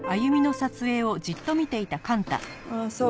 ああそう。